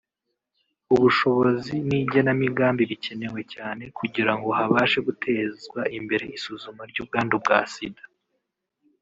ubushobozi n’igenamigambi bikenewe cyane kugira ngo habashe gutezwa imbere isuzuma ry’ubwandu bwa Sida